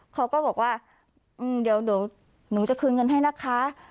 เขาก็บอกว่าเดี๋ยวหนูจะคืนเงินให้นะคะ